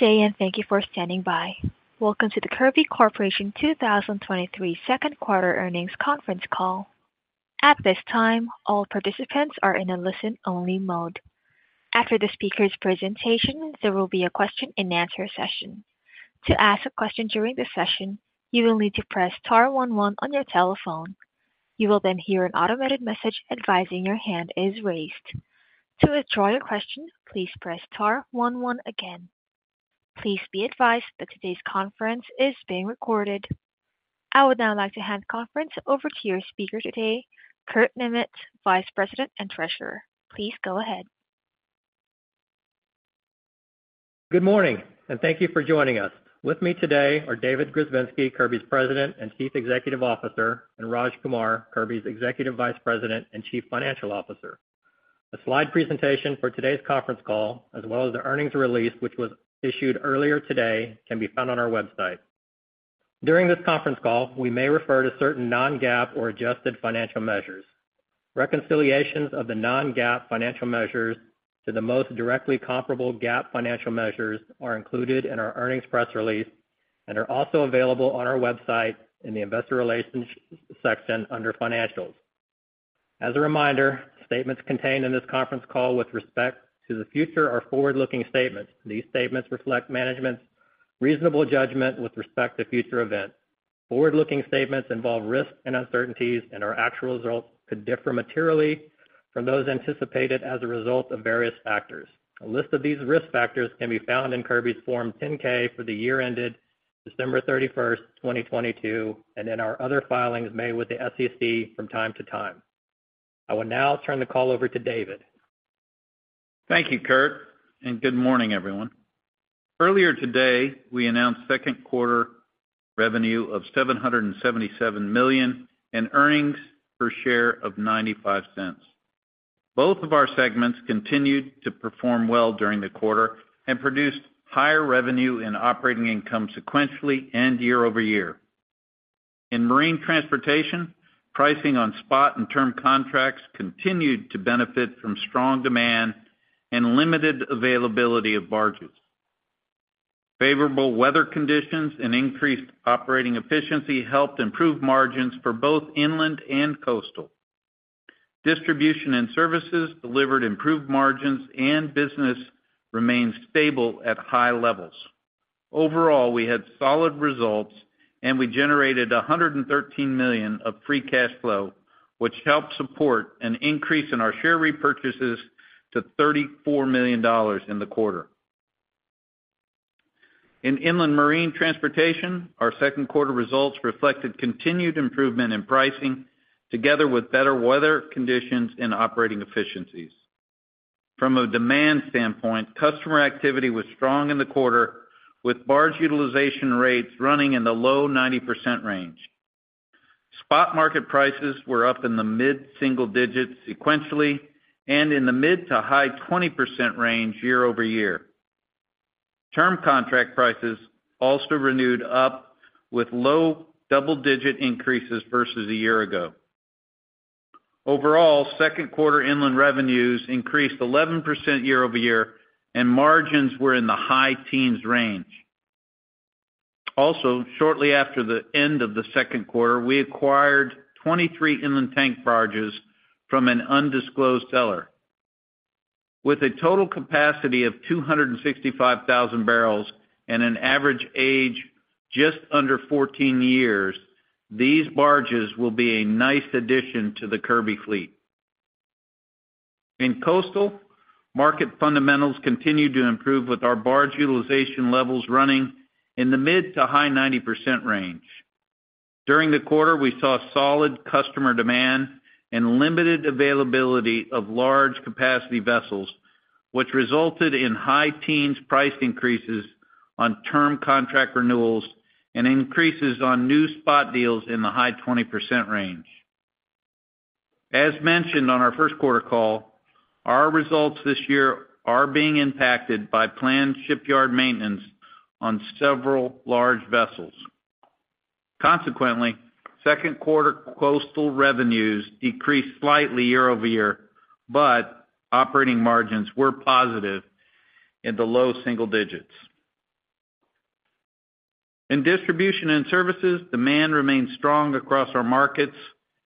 Good day. Thank you for standing by. Welcome to the Kirby Corporation 2023 second quarter earnings conference call. At this time, all participants are in a listen-only mode. After the speaker's presentation, there will be a question-and-answer session. To ask a question during the session, you will need to press star one on your telephone. You will hear an automated message advising your hand is raised. To withdraw your question, please press star one again. Please be advised that today's conference is being recorded. I would now like to hand the conference over to your speaker today, Kurt Niemietz, Vice President and Treasurer. Please go ahead. Good morning, and thank you for joining us. With me today are David Grzebinski, Kirby's President and Chief Executive Officer, and Raj Kumar, Kirby's Executive Vice President and Chief Financial Officer. A slide presentation for today's conference call, as well as the earnings release, which was issued earlier today, can be found on our website. During this conference call, we may refer to certain non-GAAP or adjusted financial measures. Reconciliations of the non-GAAP financial measures to the most directly comparable GAAP financial measures are included in our earnings press release and are also available on our website in the investor relations section under Financials. As a reminder, statements contained in this conference call with respect to the future are forward-looking statements. These statements reflect management's reasonable judgment with respect to future events. Forward-looking statements involve risks and uncertainties, and our actual results could differ materially from those anticipated as a result of various factors. A list of these risk factors can be found in Kirby's Form 10-K for the year ended December 31st, 2022, and in our other filings made with the SEC from time to time. I will now turn the call over to David. Thank you, Kurt. Good morning, everyone. Earlier today, we announced second quarter revenue of $777 million and earnings per share of $0.95. Both of our segments continued to perform well during the quarter and produced higher revenue and operating income sequentially and year-over-year. In Marine Transportation, pricing on spot and term contracts continued to benefit from strong demand and limited availability of barges. Favorable weather conditions and increased operating efficiency helped improve margins for both inland and coastal. Distribution and Services delivered improved margins and business remained stable at high levels. Overall, we had solid results and we generated $113 million of free cash flow, which helped support an increase in our share repurchases to $34 million in the quarter. In inland marine transportation, our second quarter results reflected continued improvement in pricing, together with better weather conditions and operating efficiencies. From a demand standpoint, customer activity was strong in the quarter, with barge utilization rates running in the low 90% range. Spot market prices were up in the mid-single digits sequentially and in the mid to high 20% range year-over-year. Term contract prices also renewed up with low double-digit increases versus a year ago. Overall, second quarter inland revenues increased 11% year-over-year, and margins were in the high teens range. Also, shortly after the end of the second quarter, we acquired 23 inland tank barges from an undisclosed seller. With a total capacity of 265,000 barrels and an average age just under 14 years, these barges will be a nice addition to the Kirby fleet. In coastal, market fundamentals continued to improve with our barge utilization levels running in the mid to high 90% range. During the quarter, we saw solid customer demand and limited availability of large capacity vessels, which resulted in high teens price increases on term contract renewals and increases on new spot deals in the high 20% range. As mentioned on our first quarter call, our results this year are being impacted by planned shipyard maintenance on several large vessels. Consequently, second quarter coastal revenues decreased slightly year-over-year, but operating margins were positive in the low single digits. In Distribution and Services, demand remains strong across our markets,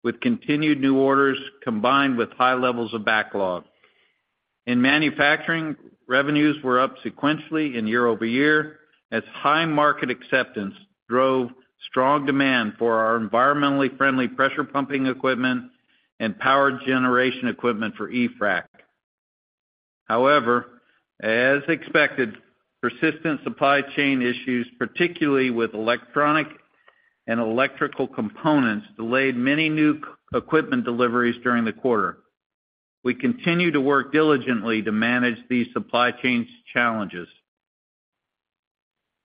with continued new orders combined with high levels of backlog. In manufacturing, revenues were up sequentially and year-over-year as high market acceptance drove strong demand for our environmentally friendly pressure pumping equipment and power generation equipment for e-frac. However, as expected, persistent supply chain issues, particularly with electronic and electrical components, delayed many new equipment deliveries during the quarter. We continue to work diligently to manage these supply chain challenges.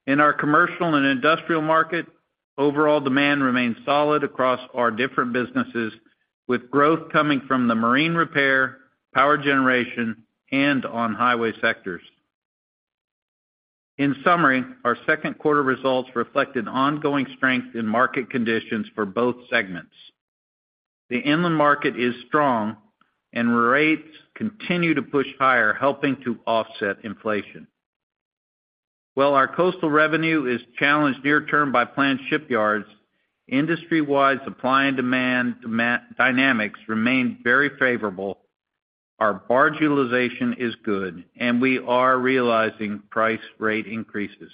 In our commercial and industrial market, overall demand remains solid across our different businesses, with growth coming from the marine repair, power generation, and on highway sectors. In summary, our second quarter results reflected ongoing strength in market conditions for both segments. The inland market is strong, and rates continue to push higher, helping to offset inflation. While our coastal revenue is challenged near term by planned shipyards, industry-wide supply and demand dynamics remain very favorable. Our barge utilization is good, and we are realizing price rate increases.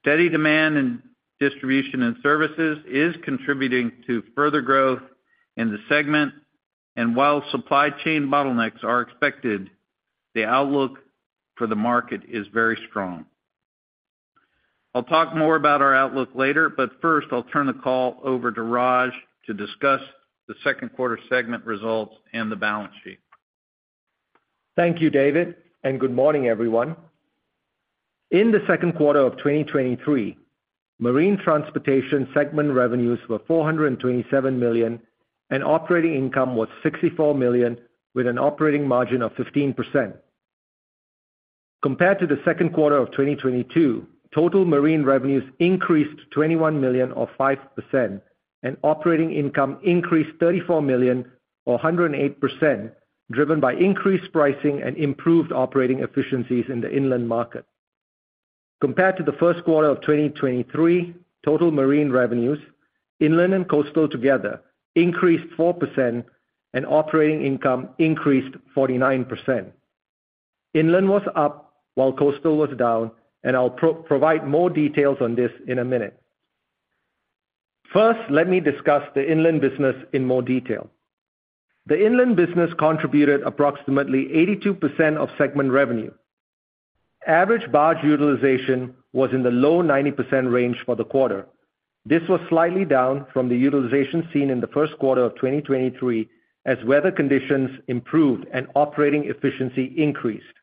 Steady demand in Distribution and Services is contributing to further growth in the segment, and while supply chain bottlenecks are expected, the outlook for the market is very strong. I'll talk more about our outlook later. First, I'll turn the call over to Raj to discuss the second quarter segment results and the balance sheet. Thank you, David. Good morning, everyone. In the second quarter of 2023, Marine Transportation segment revenues were $427 million, and operating income was $64 million, with an operating margin of 15%. Compared to the second quarter of 2022, total marine revenues increased $21 million or 5%, and operating income increased $34 million or 108%, driven by increased pricing and improved operating efficiencies in the inland market. Compared to the first quarter of 2023, total marine revenues, inland and coastal together, increased 4% and operating income increased 49%. Inland was up, while coastal was down, and I'll provide more details on this in a minute. First, let me discuss the inland business in more detail. The inland business contributed approximately 82% of segment revenue. Average barge utilization was in the low 90% range for the quarter. This was slightly down from the utilization seen in the first quarter of 2023, as weather conditions improved and operating efficiency increased.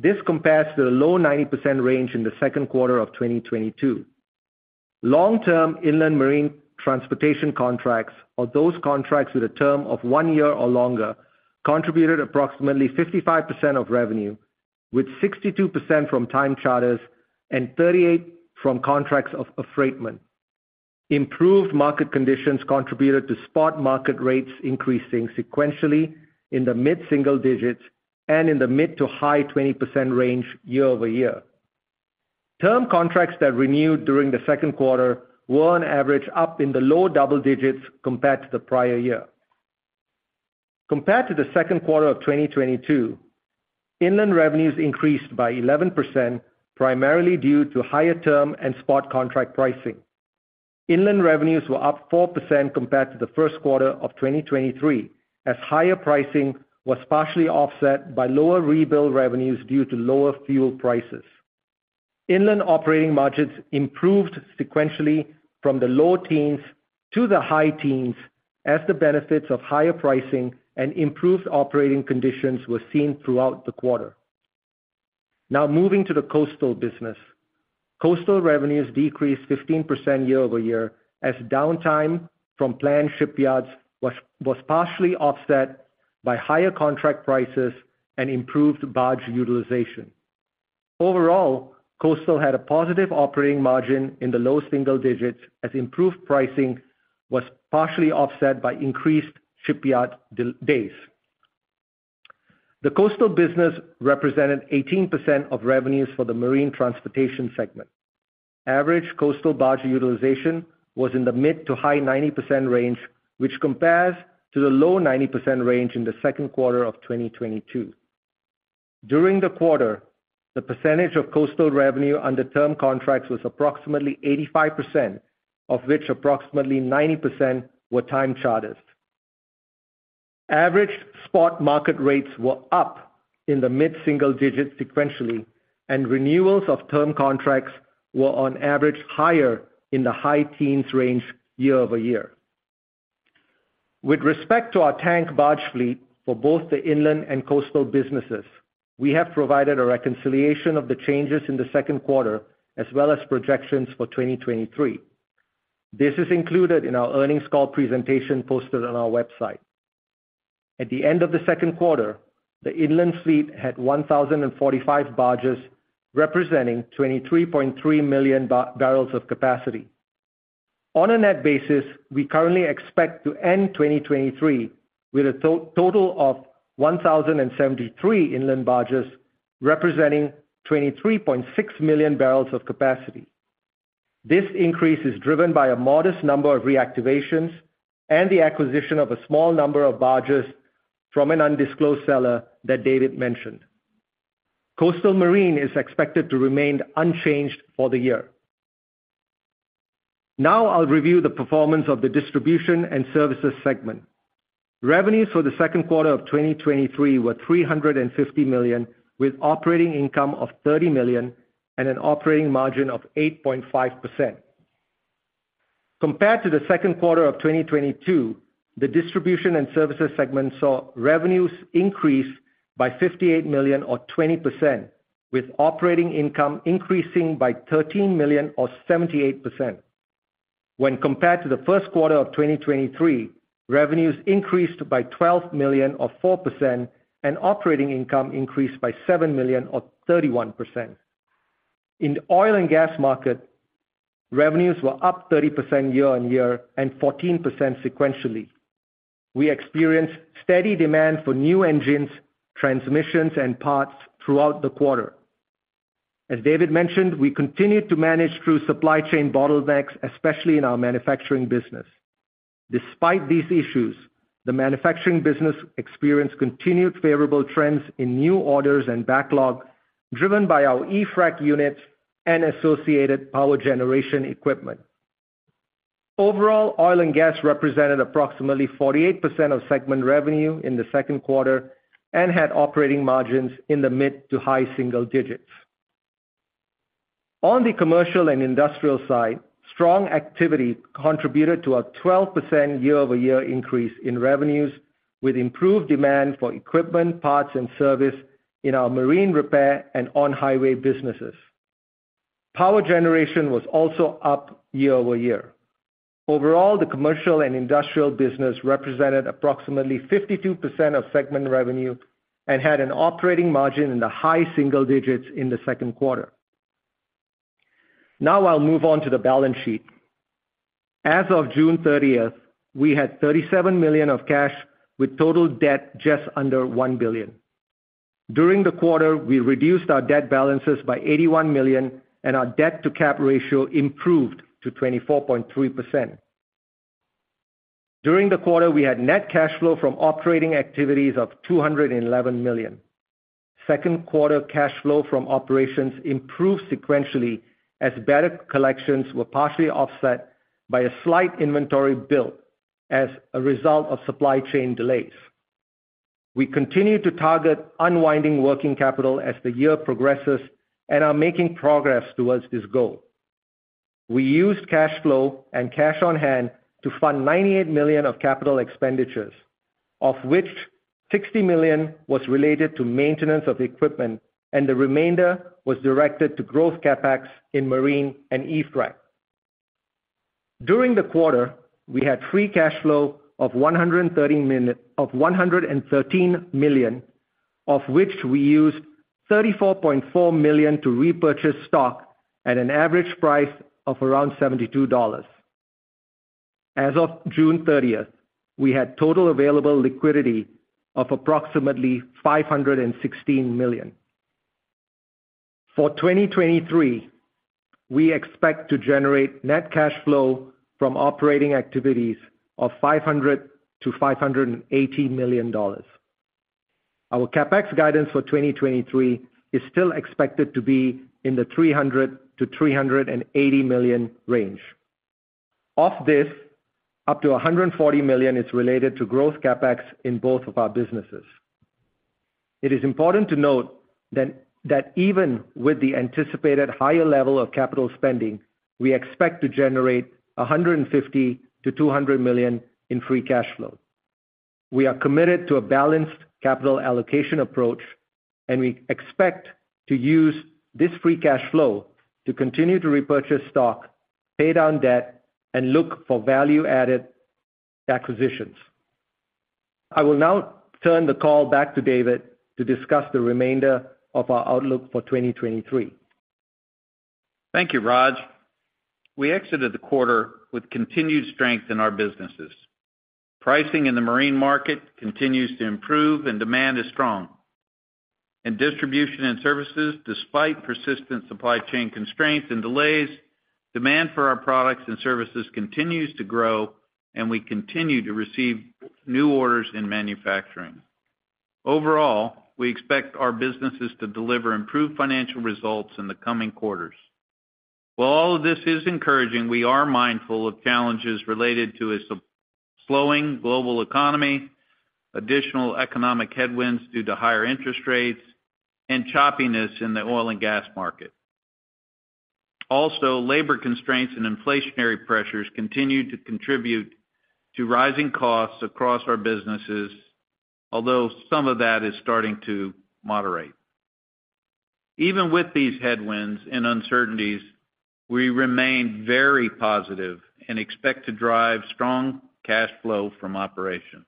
This compares to the low 90% range in the second quarter of 2022. Long-term inland marine transportation contracts, or those contracts with a term of 1 year or longer, contributed approximately 55% of revenue, with 62% from time charters and 38% from contracts of affreightment. Improved market conditions contributed to spot market rates increasing sequentially in the mid-single digits and in the mid to high 20% range year-over-year. Term contracts that renewed during the second quarter were on average up in the low double digits compared to the prior year. Compared to the second quarter of 2022, inland revenues increased by 11%, primarily due to higher term and spot contract pricing. Inland revenues were up 4% compared to the first quarter of 2023, as higher pricing was partially offset by lower rebuild revenues due to lower fuel prices. Inland operating margins improved sequentially from the low teens to the high teens as the benefits of higher pricing and improved operating conditions were seen throughout the quarter. Moving to the coastal business. Coastal revenues decreased 15% year-over-year as downtime from planned shipyards was partially offset by higher contract prices and improved barge utilization. Overall, coastal had a positive operating margin in the low single digits, as improved pricing was partially offset by increased shipyard D-days. The coastal business represented 18% of revenues for the Marine Transportation segment. Average coastal barge utilization was in the mid to high 90% range, which compares to the low 90% range in the second quarter of 2022. During the quarter, the percentage of coastal revenue under term contracts was approximately 85%, of which approximately 90% were time charters. Average spot market rates were up in the mid-single digits sequentially, and renewals of term contracts were on average higher in the high teens range year-over-year. With respect to our tank barge fleet for both the inland and coastal businesses, we have provided a reconciliation of the changes in the second quarter, as well as projections for 2023. This is included in our earnings call presentation posted on our website. At the end of the second quarter, the inland fleet had 1,045 barges, representing 23.3 million barrels of capacity. On a net basis, we currently expect to end 2023 with a total of 1,073 inland barges, representing 23.6 million barrels of capacity. This increase is driven by a modest number of reactivations and the acquisition of a small number of barges from an undisclosed seller that David mentioned. Coastal marine is expected to remain unchanged for the year. Now, I'll review the performance of the Distribution and Services segment. Revenues for the second quarter of 2023 were $350 million, with operating income of $30 million and an operating margin of 8.5%. Compared to the second quarter of 2022, the Distribution and Services segment saw revenues increase by $58 million or 20%, with operating income increasing by $13 million or 78%. When compared to the first quarter of 2023, revenues increased by $12 million or 4%, operating income increased by $7 million or 31%. In the oil and gas market, revenues were up 30% year-on-year and 14% sequentially. We experienced steady demand for new engines, transmissions, and parts throughout the quarter. As David mentioned, we continued to manage through supply chain bottlenecks, especially in our manufacturing business. Despite these issues, the manufacturing business experienced continued favorable trends in new orders and backlog, driven by our e-frac units and associated power generation equipment. Overall, oil and gas represented approximately 48% of segment revenue in the second quarter and had operating margins in the mid to high single digits. On the commercial and industrial side, strong activity contributed to a 12% year-over-year increase in revenues, with improved demand for equipment, parts, and service in our marine repair and on-highway businesses. Power generation was also up year-over-year. Overall, the commercial and industrial business represented approximately 52% of segment revenue and had an operating margin in the high single digits in the second quarter. I'll move on to the balance sheet. As of June 30th, we had $37 million of cash, with total debt just under $1 billion. During the quarter, we reduced our debt balances by $81 million, our debt-to-capital ratio improved to 24.3%. During the quarter, we had net cash flow from operating activities of $211 million. Second quarter cash flow from operations improved sequentially as better collections were partially offset by a slight inventory build as a result of supply chain delays. We continue to target unwinding working capital as the year progresses and are making progress towards this goal. We used cash flow and cash on hand to fund $98 million of capital expenditures, of which $60 million was related to maintenance of equipment, and the remainder was directed to growth CapEx in marine and e-frac. During the quarter, we had free cash flow of $113 million, of which we used $34.4 million to repurchase stock at an average price of around $72. As of June 13, we had total available liquidity of approximately $516 million. For 2023, we expect to generate net cash flow from operating activities of $500 million-$580 million. Our CapEx guidance for 2023 is still expected to be in the $300 million-$380 million range. Of this, up to $140 million is related to growth CapEx in both of our businesses. It is important to note that even with the anticipated higher level of capital spending, we expect to generate $150 million-$200 million in free cash flow. We are committed to a balanced capital allocation approach, we expect to use this free cash flow to continue to repurchase stock, pay down debt, and look for value-added acquisitions. I will now turn the call back to David to discuss the remainder of our outlook for 2023. Thank you, Raj. We exited the quarter with continued strength in our businesses. Pricing in the marine market continues to improve, and demand is strong. In Distribution and Services, despite persistent supply chain constraints and delays, demand for our products and services continues to grow, and we continue to receive new orders in manufacturing. Overall, we expect our businesses to deliver improved financial results in the coming quarters. While all of this is encouraging, we are mindful of challenges related to a slowing global economy, additional economic headwinds due to higher interest rates, and choppiness in the oil and gas market. Labor constraints and inflationary pressures continue to contribute to rising costs across our businesses, although some of that is starting to moderate. Even with these headwinds and uncertainties, we remain very positive and expect to drive strong cash flow from operations.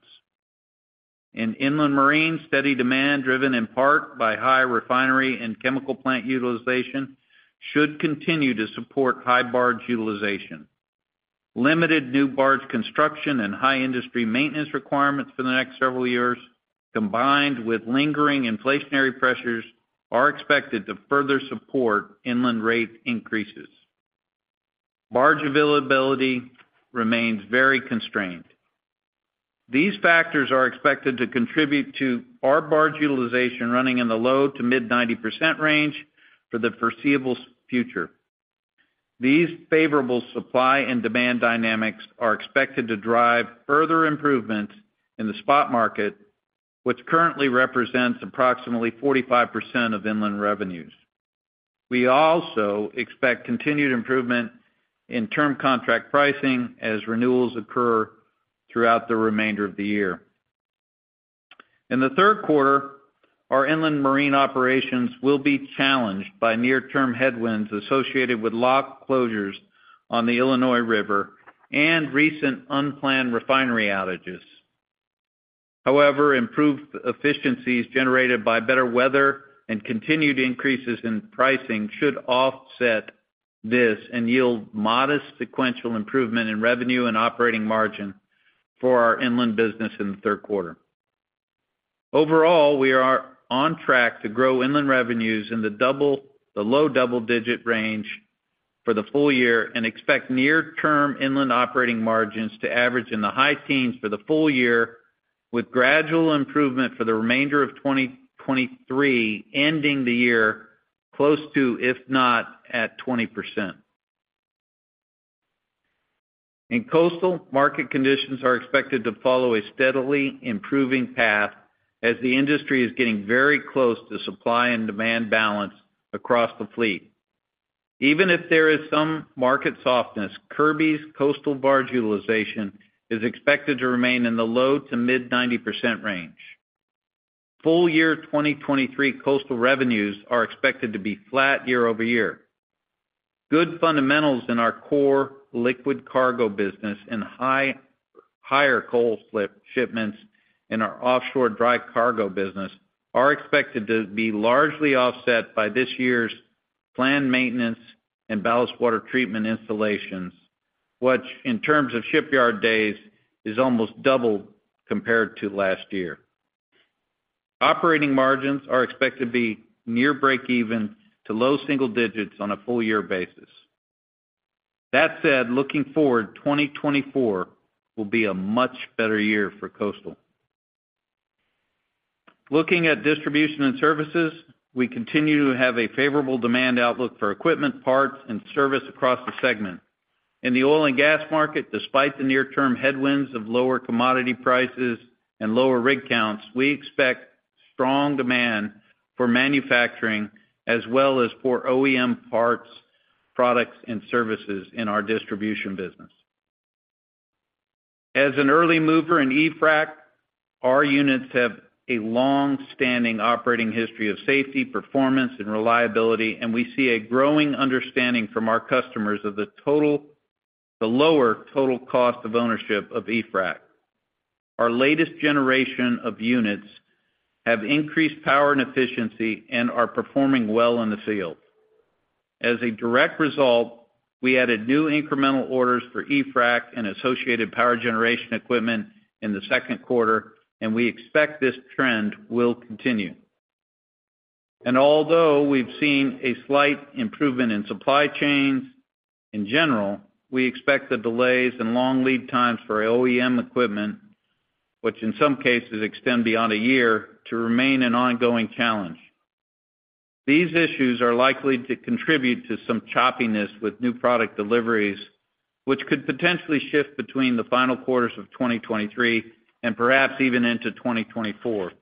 In inland marine, steady demand, driven in part by high refinery and chemical plant utilization, should continue to support high barge utilization. Limited new barge construction and high industry maintenance requirements for the next several years, combined with lingering inflationary pressures, are expected to further support inland rate increases. Barge availability remains very constrained. These factors are expected to contribute to our barge utilization running in the low to mid 90% range for the foreseeable future. These favorable supply and demand dynamics are expected to drive further improvements in the spot market, which currently represents approximately 45% of inland revenues. We also expect continued improvement in term contract pricing as renewals occur throughout the remainder of the year. In the third quarter, our inland marine operations will be challenged by near-term headwinds associated with lock closures on the Illinois River and recent unplanned refinery outages. Improved efficiencies generated by better weather and continued increases in pricing should offset this and yield modest sequential improvement in revenue and operating margin for our inland business in the third quarter. Overall, we are on track to grow inland revenues in the low double-digit range for the full year, and expect near-term inland operating margins to average in the high teens for the full year, with gradual improvement for the remainder of 2023, ending the year close to, if not, at 20%. In coastal, market conditions are expected to follow a steadily improving path as the industry is getting very close to supply and demand balance across the fleet. Even if there is some market softness, Kirby's coastal barge utilization is expected to remain in the low to mid 90% range. Full year 2023 coastal revenues are expected to be flat year-over-year. Good fundamentals in our core liquid cargo business and higher coal shipments in our offshore dry cargo business are expected to be largely offset by this year's planned maintenance and ballast water treatment installations, which, in terms of shipyard days, is almost double compared to last year. Operating margins are expected to be near breakeven to low single digits on a full year basis. That said, looking forward, 2024 will be a much better year for coastal. Looking at Distribution and Services, we continue to have a favorable demand outlook for equipment, parts, and service across the segment. In the oil and gas market, despite the near-term headwinds of lower commodity prices and lower rig counts, we expect strong demand for manufacturing as well as for OEM parts, products, and services in our distribution business. As an early mover in e-frac, our units have a long-standing operating history of safety, performance, and reliability, and we see a growing understanding from our customers of the lower total cost of ownership of e-frac. Our latest generation of units have increased power and efficiency and are performing well in the field. As a direct result, we added new incremental orders for e-frac and associated power generation equipment in the second quarter, and we expect this trend will continue. Although we've seen a slight improvement in supply chains, in general, we expect the delays and long lead times for OEM equipment, which in some cases extend beyond a year, to remain an ongoing challenge. These issues are likely to contribute to some choppiness with new product deliveries, which could potentially shift between the final quarters of 2023 and perhaps even into 2024.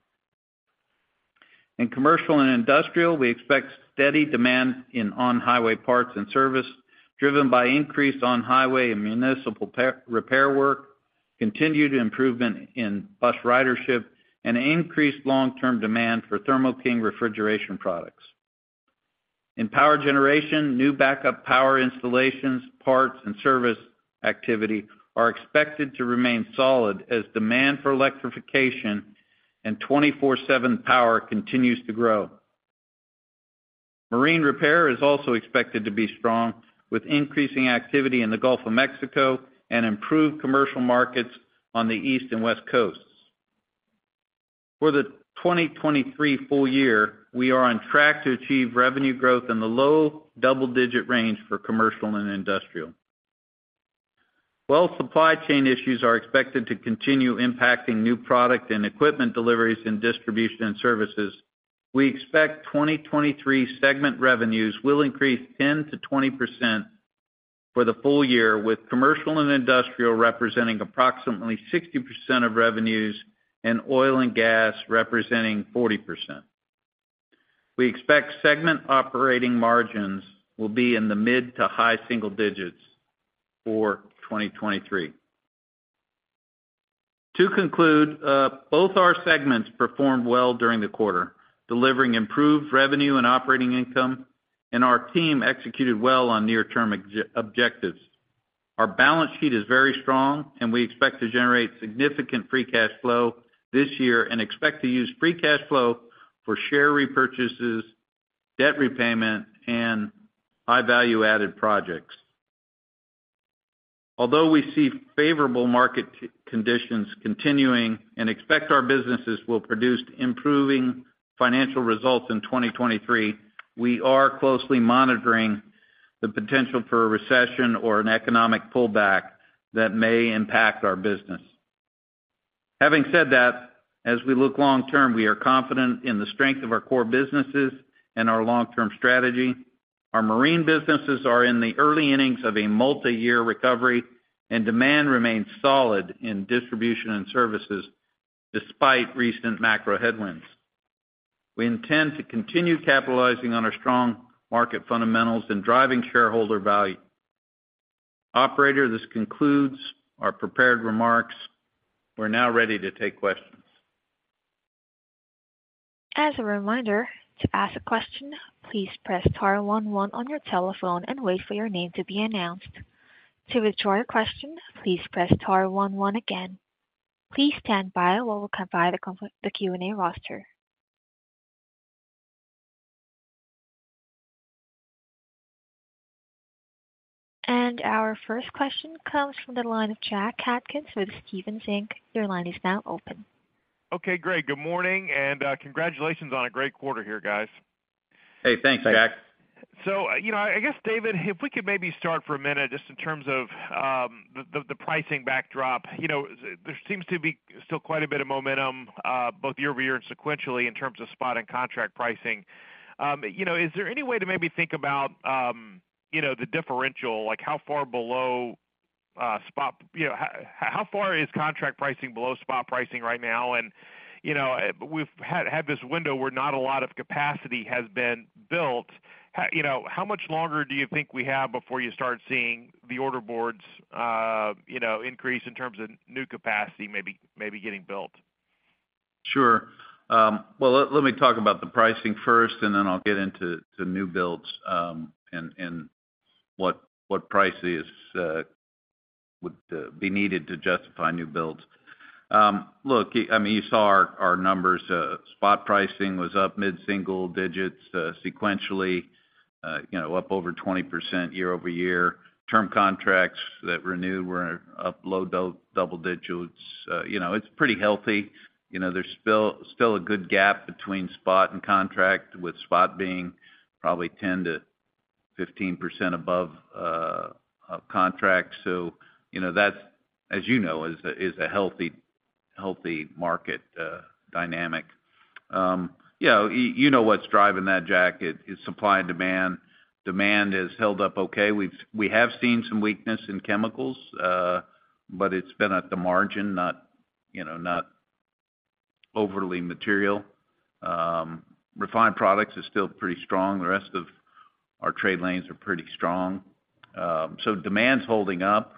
In commercial and industrial, we expect steady demand in on-highway parts and service, driven by increased on-highway and municipal repair work, continued improvement in bus ridership, and increased long-term demand for Thermo King refrigeration products. In power generation, new backup power installations, parts, and service activity are expected to remain solid as demand for electrification and 24/7 power continues to grow. Marine repair is also expected to be strong, with increasing activity in the Gulf of Mexico and improved commercial markets on the East and West Coasts. For the 2023 full year, we are on track to achieve revenue growth in the low double-digit range for commercial and industrial. While supply chain issues are expected to continue impacting new product and equipment deliveries in Distribution and Services, we expect 2023 segment revenues will increase 10%-20% for the full year, with commercial and industrial representing approximately 60% of revenues and oil and gas representing 40%. We expect segment operating margins will be in the mid to high single digits for 2023. To conclude, both our segments performed well during the quarter, delivering improved revenue and operating income, and our team executed well on near-term objectives. Our balance sheet is very strong, and we expect to generate significant free cash flow this year and expect to use free cash flow for share repurchases, debt repayment, and high value-added projects. We see favorable market conditions continuing and expect our businesses will produce improving financial results in 2023. We are closely monitoring the potential for a recession or an economic pullback that may impact our business. As we look long term, we are confident in the strength of our core businesses and our long-term strategy. Our marine businesses are in the early innings of a multiyear recovery. Demand remains solid in Distribution and Services despite recent macro headwinds. We intend to continue capitalizing on our strong market fundamentals and driving shareholder value. Operator, this concludes our prepared remarks. We're now ready to take questions.... As a reminder, to ask a question, please press star one one on your telephone and wait for your name to be announced. To withdraw your question, please press star one one again. Please stand by while we come by the Q&A roster. Our first question comes from the line of Jack Atkins with Stephens Inc. Your line is now open. Okay, great. Good morning, and congratulations on a great quarter here, guys. Hey, thanks, Jack. You know, I guess, David, if we could maybe start for a minute, just in terms of the pricing backdrop. You know, there seems to be still quite a bit of momentum, both year-over-year and sequentially in terms of spot and contract pricing. You know, is there any way to maybe think about, you know, the differential, like, how far below spot, how far is contract pricing below spot pricing right now? You know, we've had this window where not a lot of capacity has been built. You know, how much longer do you think we have before you start seeing the order boards, you know, increase in terms of new capacity maybe getting built? Sure. Let me talk about the pricing first, and then I'll get into the new builds, and what price would be needed to justify new builds. Look, I mean, you saw our numbers. Spot pricing was up mid-single digits sequentially, you know, up over 20% year-over-year. Term contracts that renewed were up low double digits. You know, it's pretty healthy. You know, there's still a good gap between spot and contract, with spot being probably 10%-15% above contract. You know, that's, as you know, is a healthy market dynamic. Yeah, you know what's driving that, Jack Atkins. It's supply and demand. Demand has held up okay. We have seen some weakness in chemicals, it's been at the margin, not, you know, not overly material. Refined products is still pretty strong. The rest of our trade lanes are pretty strong. Demand's holding up.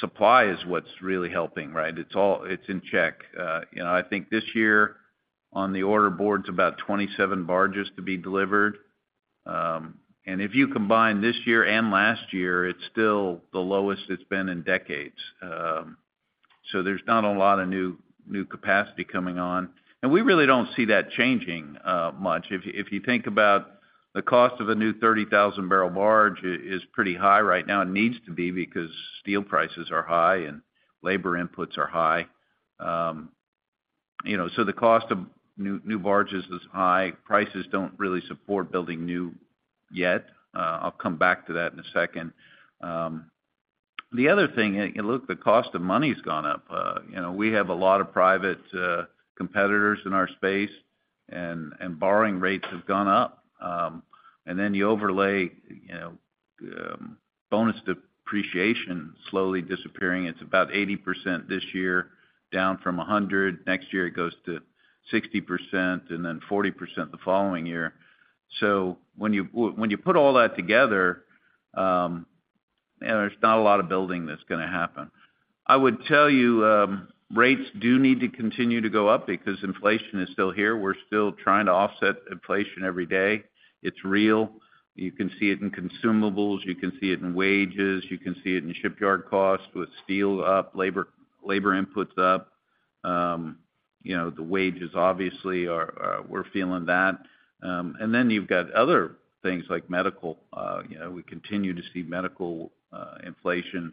Supply is what's really helping, right? It's in check. You know, I think this year, on the order board, it's about 27 barges to be delivered. If you combine this year and last year, it's still the lowest it's been in decades. There's not a lot of new capacity coming on, and we really don't see that changing much. If you think about the cost of a new 30,000 barrel barge is pretty high right now, and needs to be because steel prices are high and labor inputs are high. You know, the cost of new, new barges is high. Prices don't really support building new yet. I'll come back to that in a second. The other thing, look, the cost of money's gone up. You know, we have a lot of private competitors in our space, borrowing rates have gone up. You overlay, you know, bonus depreciation slowly disappearing. It's about 80% this year, down from 100. Next year, it goes to 60%, 40% the following year. When you, when you put all that together, you know, there's not a lot of building that's gonna happen. I would tell you, rates do need to continue to go up because inflation is still here. We're still trying to offset inflation every day. It's real. You can see it in consumables. You can see it in wages. You can see it in shipyard costs with steel up, labor inputs up. You know, the wages obviously are feeling that. Then you've got other things like medical. You know, we continue to see medical inflation.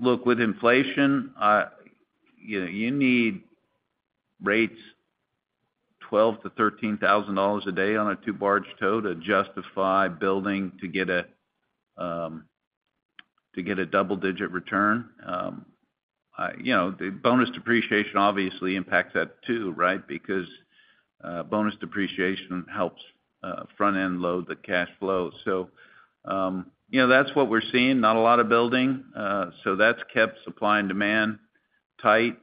Look, with inflation, you know, you need rates $12,000-$13,000 a day on a two-barge tow to justify building to get a, to get a double-digit return. You know, the bonus depreciation obviously impacts that too, right? Because bonus depreciation helps front-end load the cash flow. You know, that's what we're seeing, not a lot of building. That's kept supply and demand tight,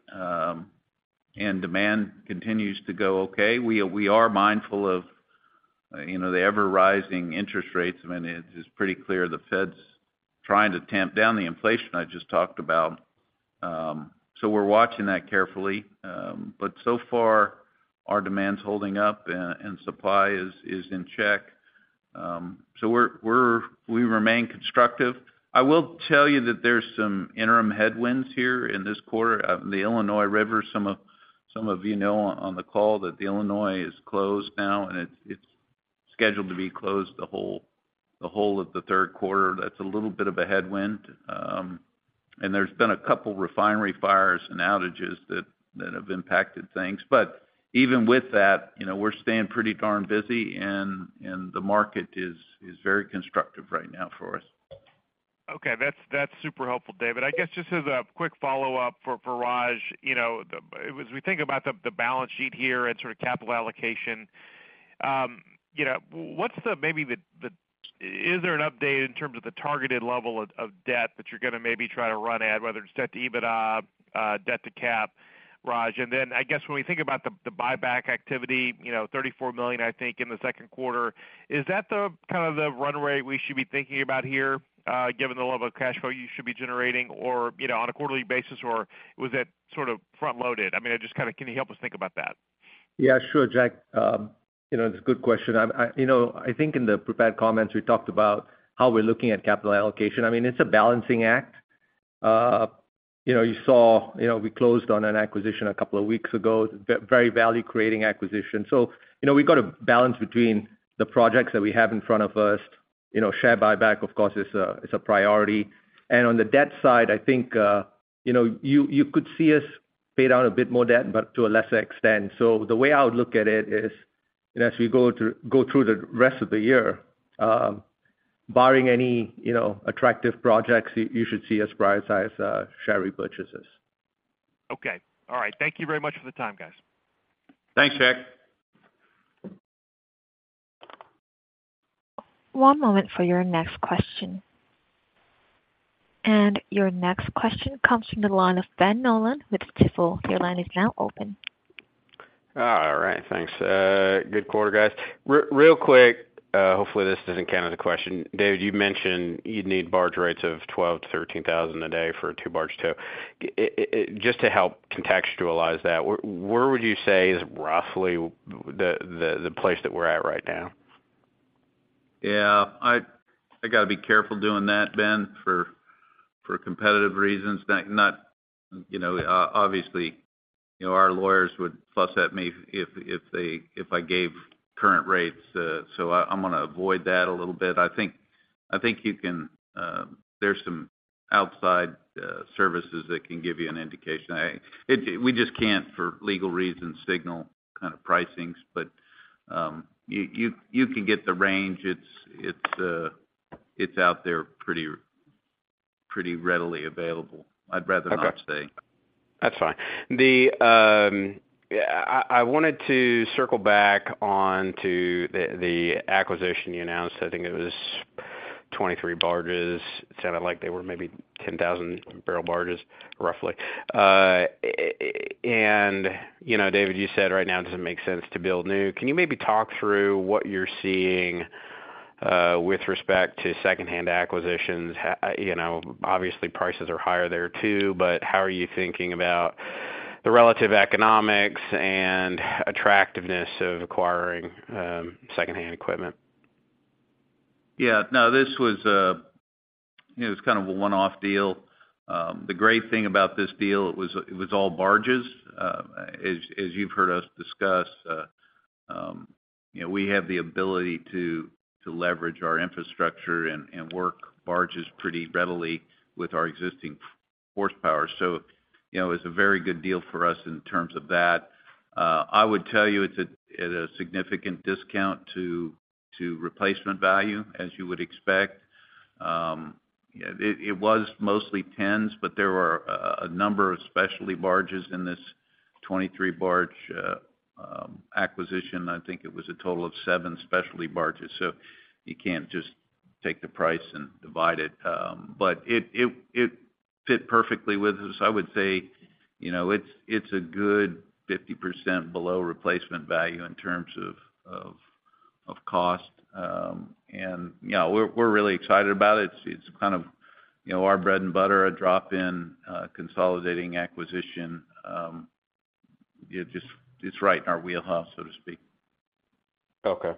and demand continues to go okay. We are mindful of, you know, the ever-rising interest rates. I mean, it's pretty clear the Fed's trying to tamp down the inflation I just talked about, so we're watching that carefully. So far, our demand's holding up, and supply is in check. We remain constructive. I will tell you that there's some interim headwinds here in this quarter. The Illinois River, some of you know on the call that the Illinois is closed now, and it's scheduled to be closed the whole of the third quarter. That's a little bit of a headwind. There's been a couple refinery fires and outages that have impacted things. Even with that, you know, we're staying pretty darn busy, and the market is very constructive right now for us. Okay. That's super helpful, David. I guess just as a quick follow-up for Raj, you know, as we think about the balance sheet here and sort of capital allocation, you know, is there an update in terms of the targeted level of debt that you're gonna maybe try to run at, whether it's debt to EBITDA, debt to cap, Raj? I guess, when we think about the buyback activity, you know, $34 million, I think, in the second quarter, is that kind of the runway we should be thinking about here, given the level of cash flow you should be generating or, you know, on a quarterly basis, or was that sort of front-loaded? I mean, can you help us think about that? Yeah, sure, Jack. You know, it's a good question. I, you know, I think in the prepared comments, we talked about how we're looking at capital allocation. I mean, it's a balancing act. You know, you saw, you know, we closed on an acquisition a couple of weeks ago, very value-creating acquisition. You know, we've got to balance between the projects that we have in front of us. You know, share buyback, of course, is a priority. On the debt side, I think, you know, you could see us pay down a bit more debt, but to a lesser extent. The way I would look at it is, as we go through the rest of the year, barring any, you know, attractive projects, you should see us prioritize share repurchases. Okay. All right. Thank you very much for the time, guys. Thanks, Jack. One moment for your next question. Your next question comes from the line of Ben Nolan with Stifel. Your line is now open. All right. Thanks. Good quarter, guys. Real quick, hopefully, this doesn't count as a question. David, you mentioned you'd need barge rates of $12,000-$13,000 a day for 2 barges, too. Just to help contextualize that, where would you say is roughly the place that we're at right now? Yeah, I got to be careful doing that, Ben, for competitive reasons. Not, you know, obviously, you know, our lawyers would fuss at me if I gave current rates, so I'm going to avoid that a little bit. I think you can. There's some outside services that can give you an indication. We just can't, for legal reasons, signal kind of pricings, but you can get the range. It's out there pretty readily available. I'd rather not say. Okay. That's fine. The, I wanted to circle back on to the acquisition you announced. I think it was 23 barges. It sounded like they were maybe 10,000 barrel barges, roughly. You know, David, you said right now, it doesn't make sense to build new. Can you maybe talk through what you're seeing, with respect to secondhand acquisitions? You know, obviously, prices are higher there, too, but how are you thinking about the relative economics and attractiveness of acquiring, secondhand equipment? No, this was a, you know, it's kind of a one-off deal. The great thing about this deal, it was, it was all barges. As you've heard us discuss, you know, we have the ability to leverage our infrastructure and work barges pretty readily with our existing horsepower. You know, it's a very good deal for us in terms of that. I would tell you, it's at a significant discount to replacement value, as you would expect. It was mostly tens, but there were a number of specialty barges in this 23 barge acquisition. I think it was a total of seven specialty barges, so you can't just take the price and divide it. It fit perfectly with us. I would say, you know, it's a good 50% below replacement value in terms of cost. You know, we're really excited about it. It's kind of, you know, our bread and butter, a drop-in, consolidating acquisition. It's right in our wheelhouse, so to speak. Okay.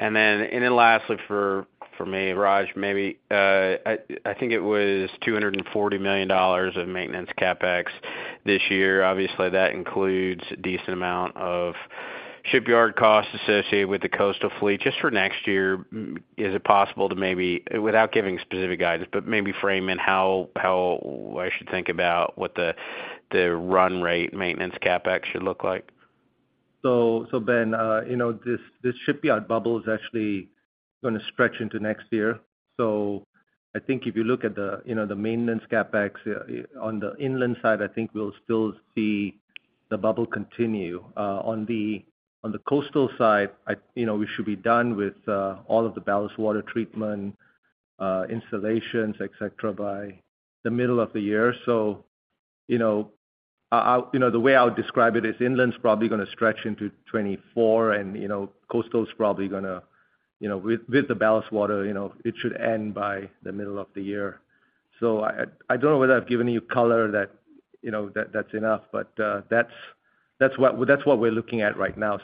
Lastly, for me, Raj, maybe, I think it was $240 million of maintenance CapEx this year. Obviously, that includes a decent amount of shipyard costs associated with the coastal fleet. Just for next year, is it possible to maybe, without giving specific guidance, but maybe frame in how I should think about what the run rate maintenance CapEx should look like? So Ben, you know, this shipyard bubble is actually gonna stretch into next year. I think if you look at the, you know, the maintenance CapEx on the inland side, I think we'll still see the bubble continue. On the coastal side, you know, we should be done with all of the ballast water treatment installations, et cetera, by the middle of the year. You know, I. You know, the way I would describe it is, inland is probably gonna stretch into 24, and, you know, coastal is probably gonna, you know, with the ballast water, you know, it should end by the middle of the year. I don't know whether I've given you color that, you know, that's enough, but that's what we're looking at right now.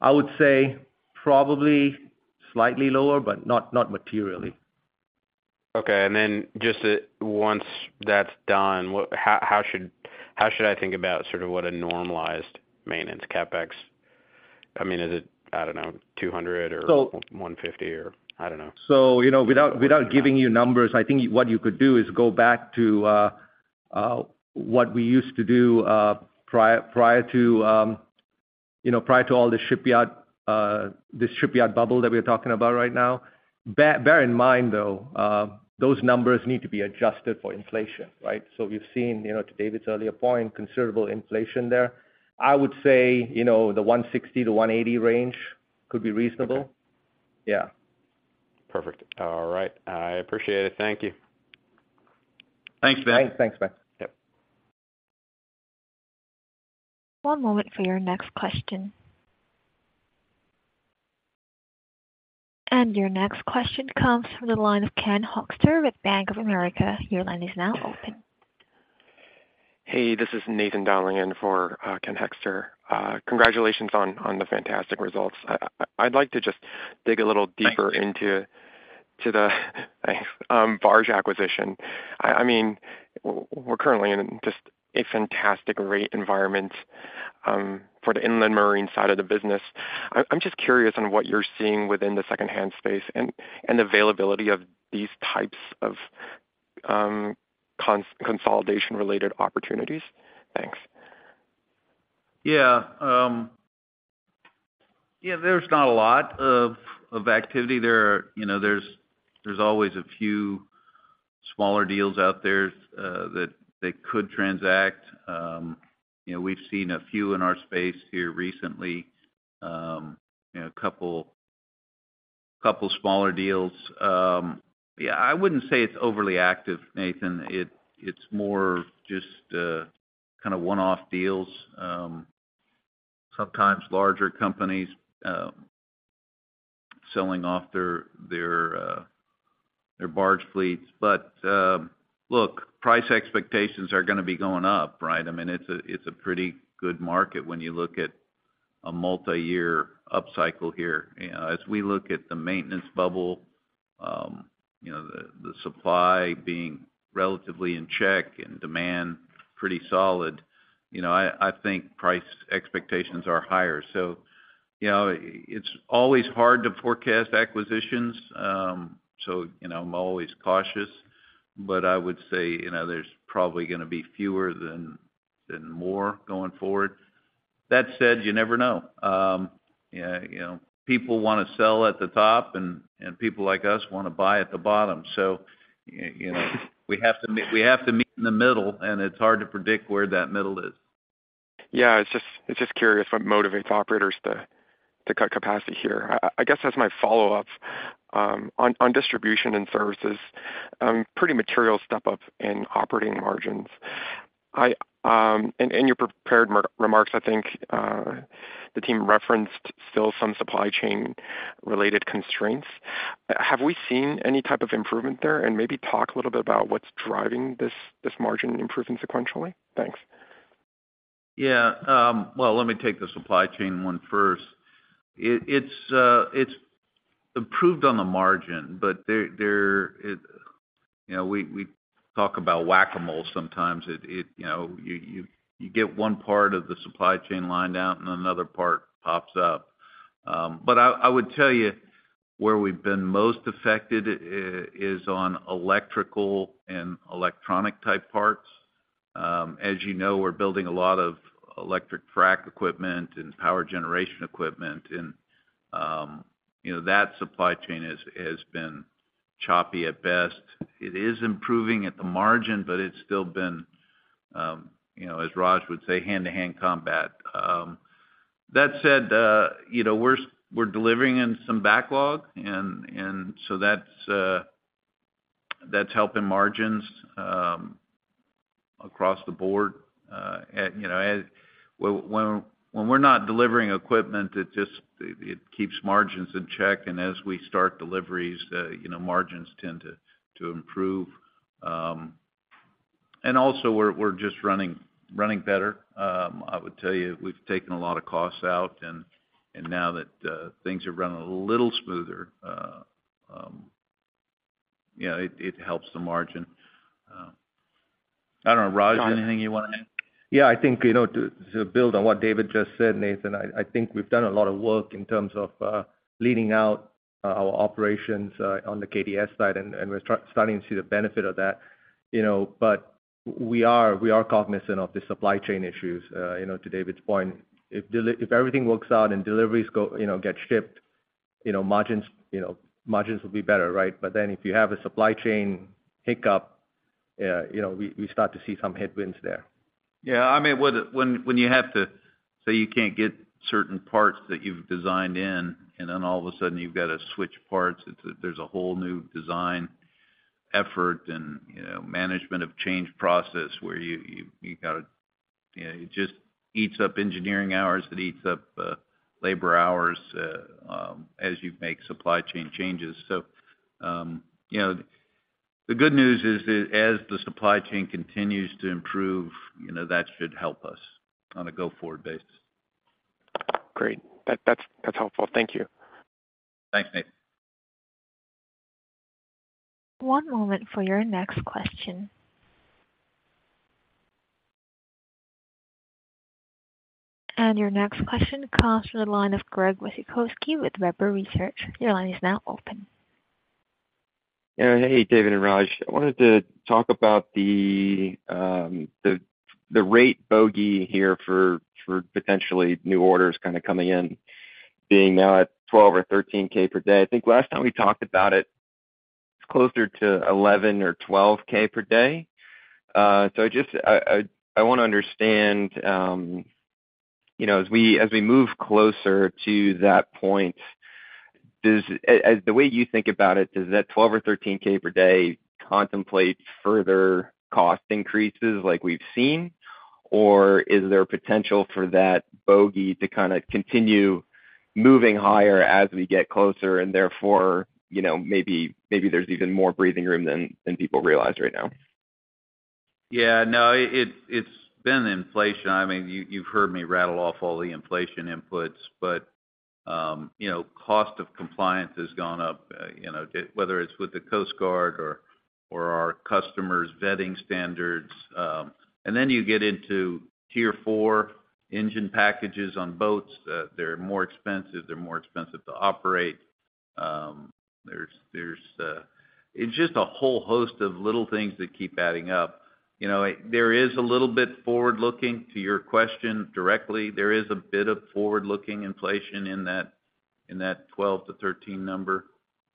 I would say probably slightly lower, but not materially. Okay. Then just once that's done, how should I think about sort of what a normalized maintenance CapEx? I mean, is it, I don't know, $200? So- $150 or I don't know? You know, without giving you numbers, I think what you could do is go back to what we used to do prior to, you know, prior to all this shipyard bubble that we're talking about right now. Bear in mind, though, those numbers need to be adjusted for inflation, right? We've seen, you know, to David's earlier point, considerable inflation there. I would say, you know, the 160-180 range could be reasonable. Yeah. Perfect. All right. I appreciate it. Thank you. Thanks, Ben. Thanks, Ben. Yep. One moment for your next question. Your next question comes from the line of Kenneth Hoexter with Bank of America. Your line is now open. Hey, this is Nathan Dowling in for Kenneth Hoexter. Congratulations on the fantastic results. I'd like to just dig a little deeper into. Thank you. I mean, we're currently in just a fantastic, great environment for the inland marine side of the business. I'm just curious on what you're seeing within the secondhand space and availability of these types of consolidation-related opportunities. Thanks. Yeah, yeah, there's not a lot of activity there. You know, there's, there's always a few smaller deals out there that could transact. You know, we've seen a few in our space here recently, you know, a couple smaller deals. Yeah, I wouldn't say it's overly active, Nathan. It, it's more just kind of one-off deals. Sometimes larger companies selling off their barge fleets. Look, price expectations are gonna be going up, right? I mean, it's a, it's a pretty good market when you look at a multiyear upcycle here. You know, as we look at the maintenance bubble, you know, the supply being relatively in check and demand pretty solid, you know, I think price expectations are higher. You know, it's always hard to forecast acquisitions, so, you know, I'm always cautious, but I would say, you know, there's probably gonna be fewer than more going forward. That said, you never know. You know, people wanna sell at the top, and people like us wanna buy at the bottom. You know, we have to meet in the middle, and it's hard to predict where that middle is. Yeah, it's just, I'm just curious what motivates operators to cut capacity here. I guess that's my follow-up. On Distribution and Services, pretty material step up in operating margins. In your prepared remarks, I think the team referenced still some supply chain related constraints. Have we seen any type of improvement there? Maybe talk a little bit about what's driving this margin improvement sequentially. Thanks. Well, let me take the supply chain one first. It's improved on the margin, but there, you know, we talk about Whac-A-Mole sometimes. It, you know, you get one part of the supply chain lined out, and another part pops up. I would tell you where we've been most affected is on electrical and electronic type parts. As you know, we're building a lot of electric frac equipment and power generation equipment, and, you know, that supply chain has been choppy at best. It is improving at the margin, but it's still been, you know, as Raj would say, hand-to-hand combat. That said, you know, we're delivering in some backlog, and so that's helping margins across the board. You know, when we're not delivering equipment, it just keeps margins in check, and as we start deliveries, you know, margins tend to improve. Also, we're just running better. I would tell you, we've taken a lot of costs out, and now that things are running a little smoother, you know, it helps the margin. I don't know, Raj, anything you want to add? Yeah, I think, you know, to build on what David just said, Nathan, I think we've done a lot of work in terms of leaning out our operations on the KDS side, and we're starting to see the benefit of that. You know, we are cognizant of the supply chain issues. You know, to David's point, if everything works out and deliveries go, you know, get shipped, you know, margins will be better, right? If you have a supply chain hiccup, you know, we start to see some headwinds there. Yeah, I mean, when you have to you can't get certain parts that you've designed in, and then all of a sudden, you've got to switch parts, there's a whole new design effort and, you know, Management of Change process where you got to, you know, it just eats up engineering hours, it eats up labor hours as you make supply chain changes. You know, the good news is that as the supply chain continues to improve, you know, that should help us on a go-forward basis. Great. That, that's, that's helpful. Thank you. Thanks, Nathan. One moment for your next question. Your next question comes from the line of Greg Wasikowski with Webber Research. Your line is now open. Yeah. Hey, David and Raj. I wanted to talk about the rate bogey here for potentially new orders kind of coming in, being now at 12 or 13 K per day. I think last time we talked about it, it's closer to 11 or 12 K per day. Just, I want to understand, you know, as we, as we move closer to that point, the way you think about it, does that 12 or 13 K per day contemplate further cost increases like we've seen, or is there potential for that bogey to kind of continue moving higher as we get closer, and therefore, you know, maybe, maybe there's even more breathing room than, than people realize right now? It, it's been inflation. I mean, you, you've heard me rattle off all the inflation inputs, you know, cost of compliance has gone up, you know, whether it's with the Coast Guard or our customers' vetting standards. You get into Tier 4 engine packages on boats. They're more expensive, they're more expensive to operate. It's just a whole host of little things that keep adding up. You know, there is a little bit forward-looking, to your question directly, there is a bit of forward-looking inflation in that, in that 12 to 13 number.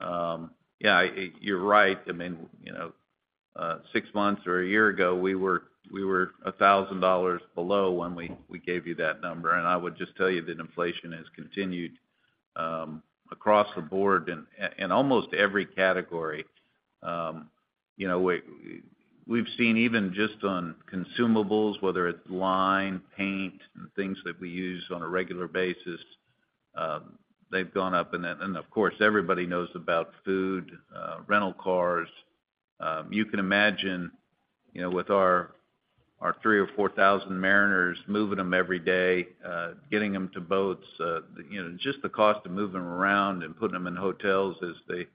You're right. I mean, you know, 6 months or 1 year ago, we were $1,000 below when we gave you that number. I would just tell you that inflation has continued, across the board in almost every category. you know, we've seen even just on consumables, whether it's line, paint, and things that we use on a regular basis, they've gone up. Of course, everybody knows about food, rental cars. you can imagine, you know, with our 3,000 or 4,000 mariners, moving them every day, getting them to boats, you know, just the cost of moving them around and putting them in hotels as they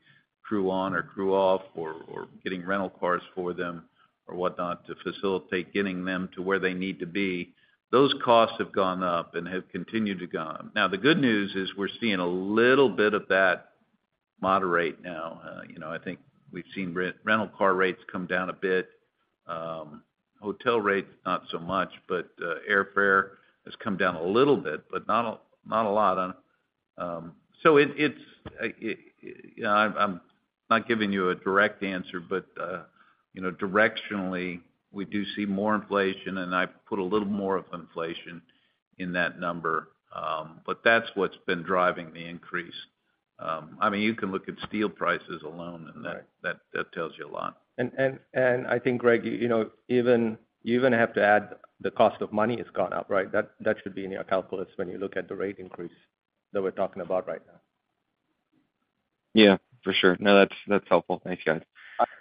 crew on or crew off, or getting rental cars for them or whatnot, to facilitate getting them to where they need to be, those costs have gone up and have continued to go on. The good news is we're seeing a little bit of that moderate now. You know, I think we've seen rental car rates come down a bit. Hotel rates, not so much, but airfare has come down a little bit, but not a lot. It, it's, you know, I'm, I'm not giving you a direct answer, but, you know, directionally, we do see more inflation, and I put a little more of inflation in that number. That's what's been driving the increase. I mean, you can look at steel prices alone, and that tells you a lot. I think, Greg, you know, even, you even have to add the cost of money has gone up, right? That should be in your calculus when you look at the rate increase that we're talking about right now. Yeah, for sure. No, that's, that's helpful. Thanks, guys.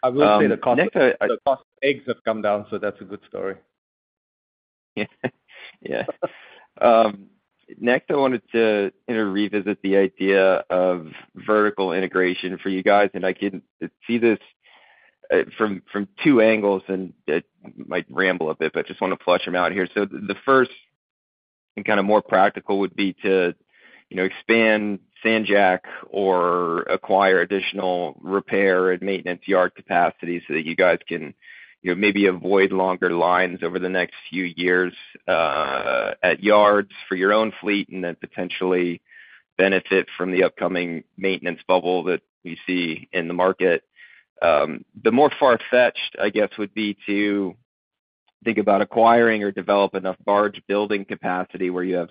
I will say the cost-. Next. The cost of eggs have come down, so that's a good story. Yeah. Next, I wanted to, you know, revisit the idea of vertical integration for you guys, and I can see this from 2 angles, and it might ramble a bit, but just want to flush them out here. The first, and kind of more practical, would be to, you know, expand San Jac or acquire additional repair and maintenance yard capacity so that you guys can, you know, maybe avoid longer lines over the next few years at yards for your own fleet, and then potentially benefit from the upcoming maintenance bubble that we see in the market. The more far-fetched, I guess, would be to think about acquiring or developing a barge building capacity where you have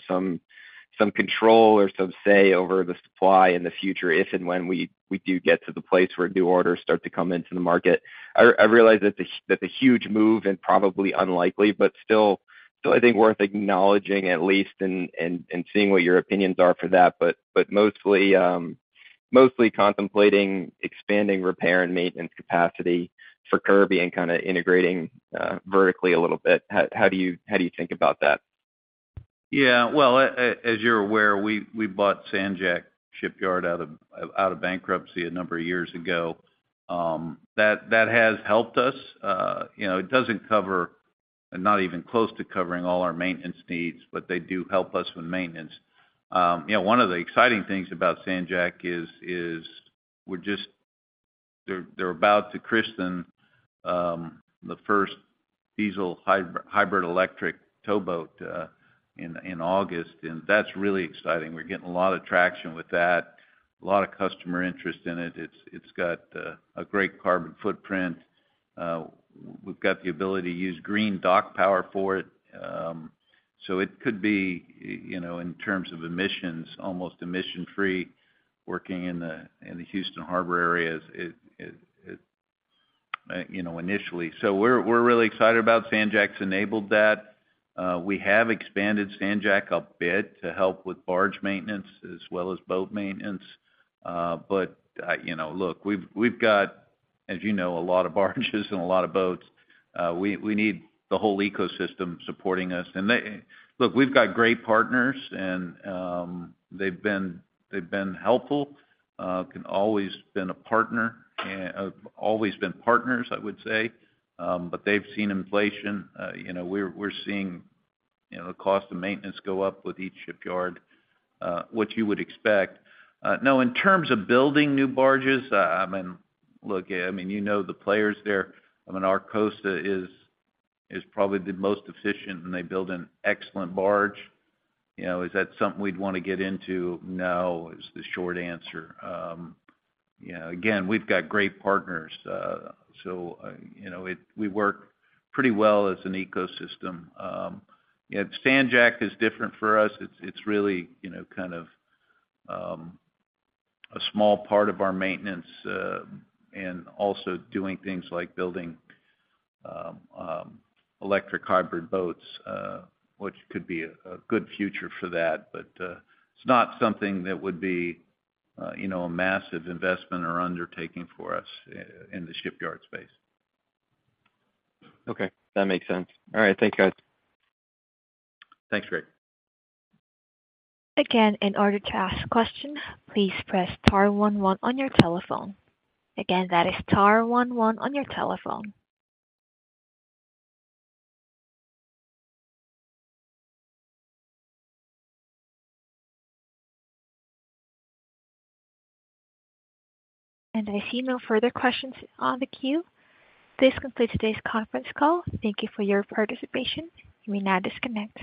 some control or some say over the supply in the future, if and when we do get to the place where new orders start to come into the market. I realize that's a huge move and probably unlikely, but still, I think, worth acknowledging at least and seeing what your opinions are for that. Mostly contemplating expanding repair and maintenance capacity for Kirby and kind of integrating vertically a little bit. How do you think about that? Yeah. Well, as you're aware, we bought San Jac Marine out of bankruptcy a number of years ago. That has helped us. You know, it doesn't cover, and not even close to covering all our maintenance needs, but they do help us with maintenance. You know, one of the exciting things about San Jac Marine is they're about to christen the first diesel-electric hybrid towboat in August, and that's really exciting. We're getting a lot of traction with that, a lot of customer interest in it. It's got a great carbon footprint. We've got the ability to use green dock power for it. It could be, you know, in terms of emissions, almost emission-free, working in the Houston Harbor areas, it, you know, initially. We're really excited about San Jac's enabled that. We have expanded San Jac a bit to help with barge maintenance as well as boat maintenance. You know, look, we've got, as you know, a lot of barges and a lot of boats. We need the whole ecosystem supporting us. Look, we've got great partners, and they've been helpful, can always been a partner, always been partners, I would say. They've seen inflation. You know, we're seeing, you know, the cost of maintenance go up with each shipyard, which you would expect. Now, in terms of building new barges, I mean, look, I mean, you know the players there. I mean, Arcosa is probably the most efficient, and they build an excellent barge. You know, is that something we'd want to get into? No, is the short answer. You know, again, we've got great partners, so, you know, we work pretty well as an ecosystem. Yeah, San Jac is different for us. It's, it's really, you know, kind of, a small part of our maintenance, and also doing things like building, electric hybrid boats, which could be a good future for that. It's not something that would be, you know, a massive investment or undertaking for us in the shipyard space. Okay, that makes sense. All right. Thanks, guys. Thanks, Greg. Again, in order to ask questions, please press star one one on your telephone. Again, that is star one one on your telephone. I see no further questions on the queue. This completes today's conference call. Thank you for your participation. You may now disconnect.